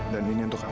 dan ini untuk kamu